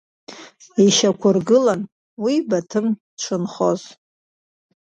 Ишьақәыргылан уи Баҭым дшынхоз.